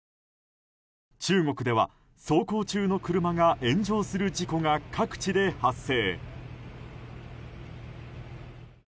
中国では、走行中の車が炎上する事故が各地で発生。